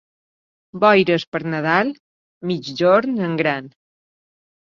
Boires per Nadal, migjorn en gran.